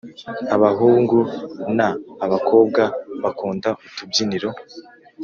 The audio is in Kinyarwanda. Abahungu na abakobwa bakunda utubyiniro